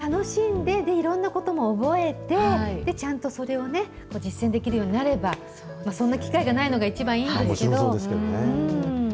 楽しんでいろんなことも覚えて、ちゃんとそれを実践できるようになれば、そんな機会がないのが一もちろんそうですけどね。